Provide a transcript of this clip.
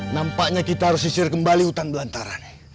nampaknya kita harus sisir kembali ke hutan belantaran